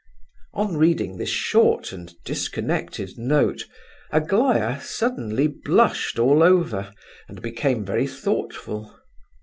On reading this short and disconnected note, Aglaya suddenly blushed all over, and became very thoughtful.